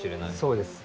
そうです。